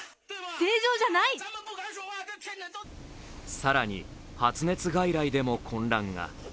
更に発熱外来でも混乱が。